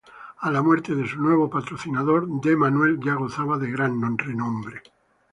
A la muerte de su nuevo patrocinador, D. Manuel ya gozaba de gran renombre.